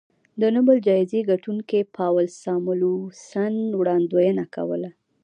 د نوبل جایزې ګټونکي پاول ساموېلسن وړاندوینه کوله